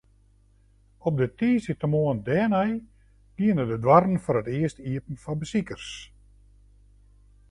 Op de tiisdeitemoarn dêrnei giene de doarren foar it earst iepen foar besikers.